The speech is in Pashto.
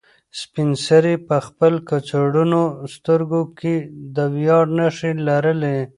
سپین سرې په خپل کڅوړنو سترګو کې د ویاړ نښې لرلې.